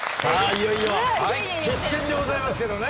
いよいよ決戦でございますけどね。